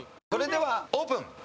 それではオープン。